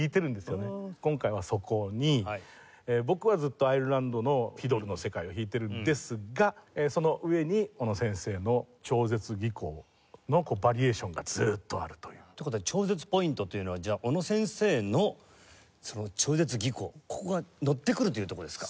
今回はそこに僕はずっとアイルランドのフィドルの世界を弾いているんですがその上に小野先生の超絶技巧のバリエーションがずっとあるという。っていう事は超絶ポイントというのはじゃあ小野先生の超絶技巧ここがのってくるというとこですか？